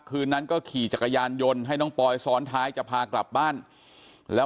คืนนั้นก็ขี่จักรยานยนต์ให้น้องปอยซ้อนท้ายจะพากลับบ้านแล้ว